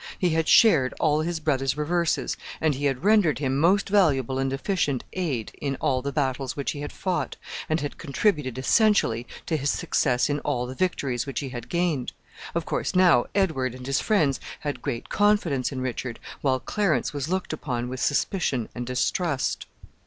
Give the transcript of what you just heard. He had shared all his brother's reverses, and he had rendered him most valuable and efficient aid in all the battles which he had fought, and had contributed essentially to his success in all the victories which he had gained. Of course, now, Edward and his friends had great confidence in Richard, while Clarence was looked upon with suspicion and distrust.